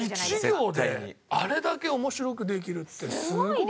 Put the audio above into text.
１行であれだけ面白くできるってすごいな。